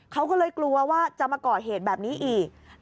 เขาก็เลยกลัวว่าจะมาก่อเหตุแบบนี้อีก